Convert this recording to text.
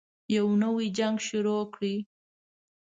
يو نـوی جـنګ شروع كړئ.